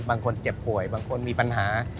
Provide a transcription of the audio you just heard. คนเจ็บป่วยบางคนมีปัญหา